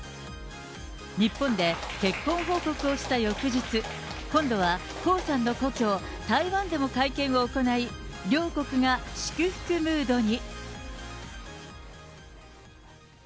日本で結婚報告をした翌日、今度は江さんの台湾でも会見を行い、両国が祝福ムードに。